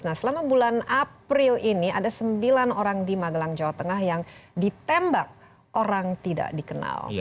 nah selama bulan april ini ada sembilan orang di magelang jawa tengah yang ditembak orang tidak dikenal